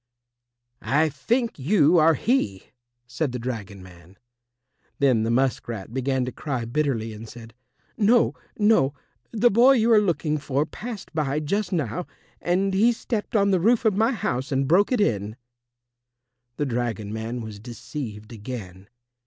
"I think you are he," said the dragon man. Then the musk rat began to cry bitterly and said, "No, no; the boy you are looking for passed by just now, and he stepped on the roof of my house and broke it in." The dragon man was deceived again.